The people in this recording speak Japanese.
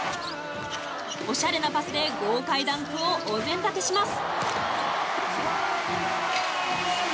おしゃれなパスで豪快ダンクをお膳立てします。